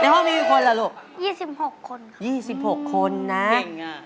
ในห้องมีมีทีมีคนเหรอลูก